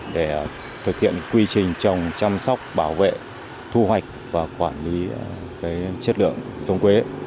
để thực hiện quy trình trồng chăm sóc bảo vệ thu hoạch và quản lý chất lượng giống quế